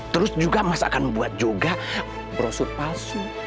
terus juga mas akan buat juga brosur palsu